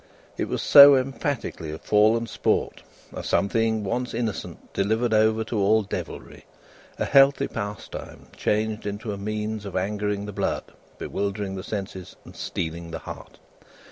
It was so emphatically a fallen sport a something, once innocent, delivered over to all devilry a healthy pastime changed into a means of angering the blood, bewildering the senses, and steeling the heart.